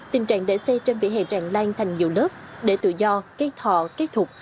tình trạng để xe trên vỉa hè rạng lan thành nhiều lớp để tự do cây thọ cây thục